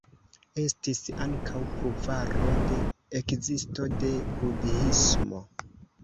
Estis ankaŭ pruvaro de ekzisto de Budhismo.